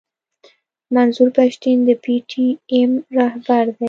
منظور پښتين د پي ټي ايم راهبر دی.